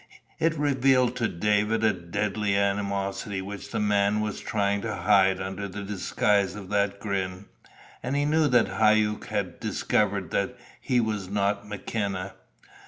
It revealed to David a deadly animosity which the man was trying to hide under the disguise of that grin, and he knew that Hauck had discovered that he was not McKenna.